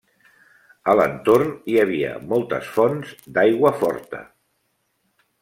A l'entorn hi havia moltes fonts d'aigua forta.